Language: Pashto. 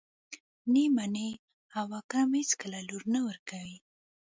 نه يې مني او اکرم اېڅکله لور نه ورکوي.